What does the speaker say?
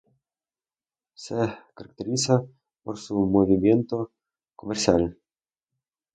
Se caracteriza por su movimiento comercial.